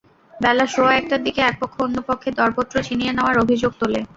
বেলা সোয়া একটার দিকে একপক্ষ অন্যপক্ষের দরপত্র ছিনিয়ে নেওয়ার অভিযোগ তোলে।